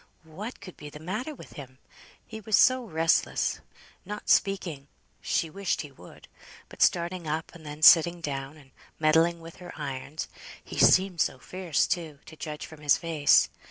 what could be the matter with him? He was so restless; not speaking (she wished he would), but starting up and then sitting down, and meddling with her irons; he seemed so fierce, too, to judge from his face.